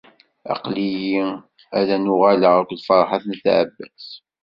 Aql-iyi-n ad n-uɣaleɣ akked Ferḥat n At Ɛebbas.